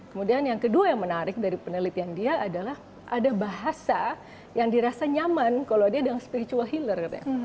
kemudian yang kedua yang menarik dari penelitian dia adalah ada bahasa yang dirasa nyaman kalau dia dengan spiritual healer